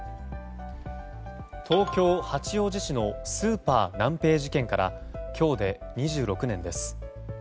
東京・八王子市のスーパーナンペイ事件から今日で２６年です。